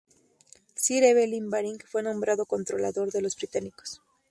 Sir Evelyn Baring fue nombrado controlador de los británicos.